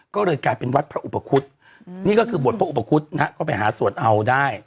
ก็เลยกลายเป็นวัดพระอุปคุฎนี่ก็คือบวชพระอุปคุฎนะฮะก็ไปหาสวดเอาได้